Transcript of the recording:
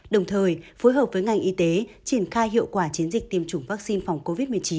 đồng thời phối hợp với ngành y tế triển khai hiệu quả chiến dịch tiêm chủng vaccine phòng covid một mươi chín